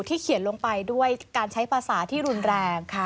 เขียนลงไปด้วยการใช้ภาษาที่รุนแรงค่ะ